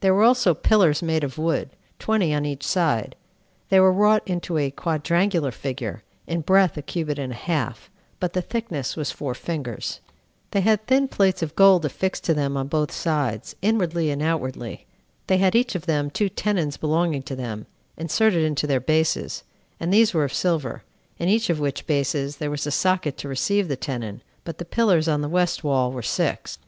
There were also pillars made of wood, twenty on each side; they were wrought into a quadrangular figure, in breadth a cubit and a half, but the thickness was four fingers: they had thin plates of gold affixed to them on both sides, inwardly and outwardly: they had each of them two tenons belonging to them, inserted into their bases, and these were of silver, in each of which bases there was a socket to receive the tenon; but the pillars on the west wall were six.